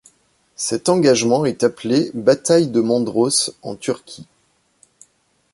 Cet engagement est appelé bataille de Mondros en Turquie.